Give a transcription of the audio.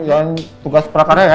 jangan tugas pra karya ya